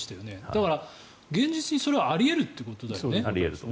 だから、現実にそれはあり得るということだよね。